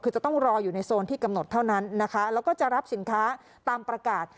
คือจะต้องรออยู่ในโซนที่กำหนดเท่านั้นนะคะแล้วก็จะรับสินค้าตามประกาศ